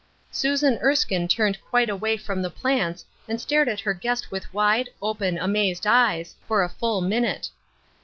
Susan Erskine turned quite away from the plants and stared at her guest with wide, v^pen, amazed eyes, for a full minute.